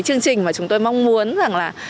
chương trình mà chúng tôi mong muốn